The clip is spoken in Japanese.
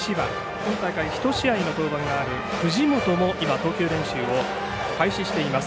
今大会１試合の登板がある藤本も今投球練習を開始しています